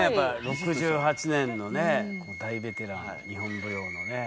６８年のね大ベテラン日本舞踊のね。